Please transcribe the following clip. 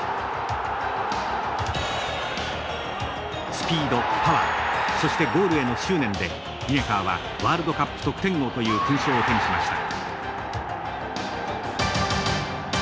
スピードパワーそしてゴールへの執念でリネカーはワールドカップ得点王という勲章を手にしました。